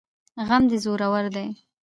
غم دي زورور دی